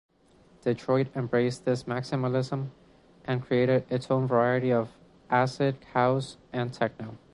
Detroit embraced this maximalism and created its own variant of acid house and techno.